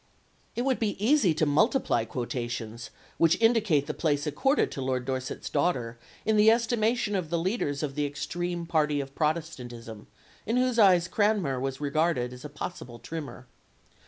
] It would be easy to multiply quotations which indicate the place accorded to Lord Dorset's daughter in the estimation of the leaders of the extreme party of Protestantism, in whose eyes Cranmer was regarded as a possible trimmer.